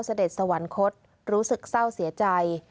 เสด็จสวรรคตรู้สึกเศร้าเสียใจ